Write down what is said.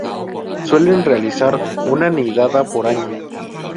Suelen realizar una nidada por año.